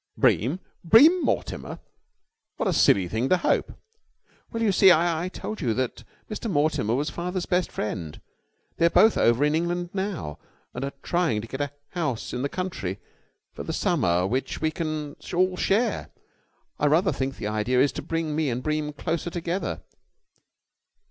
"Bream! Bream Mortimer! What a silly thing to hope!" "Well, you see, I told you that Mr. Mortimer was father's best friend. They are both over in England now, and are trying to get a house in the country for the summer which we can all share. I rather think the idea is to bring me and Bream closer together."